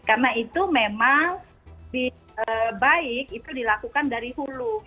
karena itu memang baik itu dilakukan dari hulu